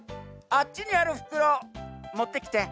あっちにあるふくろもってきて。